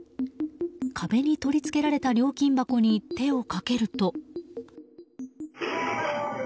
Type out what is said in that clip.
壁に取り付けられた料金箱に手をかけると。